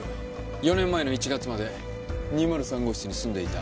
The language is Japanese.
４年前の１月まで２０３号室に住んでいた。